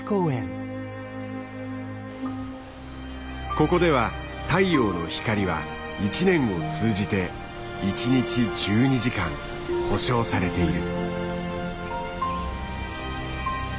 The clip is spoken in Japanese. ここでは太陽の光は１年を通じて１日１２時間保証されている。